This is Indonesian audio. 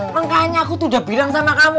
makanya aku tuh udah bilang sama kamu